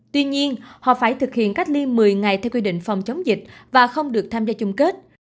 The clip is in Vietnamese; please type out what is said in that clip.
tuy nhiên họ phải thực hiện cách ly một mươi ngày theo quy định phòng chống dịch và không được tham gia chung kết